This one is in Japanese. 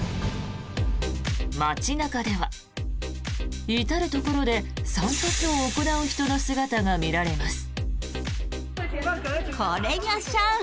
街中では至るところで散髪を行う人の姿が見られます。